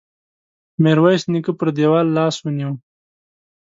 ميرويس نيکه پر دېوال لاس ونيو.